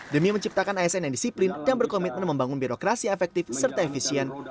demi menciptakan asn yang disiplin dan berkomitmen membangun birokrasi efektif serta efisien